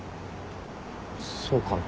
そうかな。